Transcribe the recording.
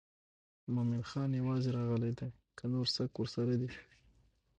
مومن خان یوازې راغلی دی که نور څوک ورسره دي.